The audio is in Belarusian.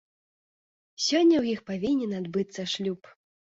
Сёння ў іх павінен адбыцца шлюб.